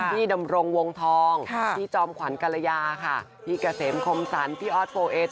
พี่ดำรงก์วงทองพี่จอมขวัญกรยาพี่กะเสมโคมสันพี่อ้อสเฟอร์เอด